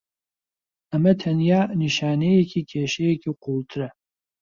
ئەمە تەنیا نیشانەیەکی کێشەیەکی قوڵترە.